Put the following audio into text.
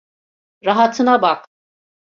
Rahatına bak.